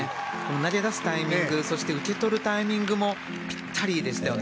投げ出すタイミング受け取るタイミングもぴったりでしたよね。